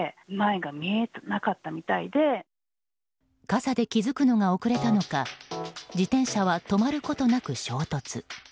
傘で気づくのが遅れたのか自転車は止まることなく衝突。